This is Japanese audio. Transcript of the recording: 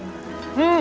うん！